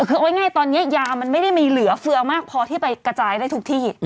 คือเอาง่ายตอนนี้ยามันไม่ได้มีเหลือเฟือมากพอที่ไปกระจายได้ทุกที่